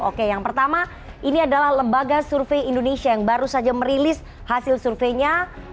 oke yang pertama ini adalah lembaga survei indonesia yang baru saja merilis hasil surveinya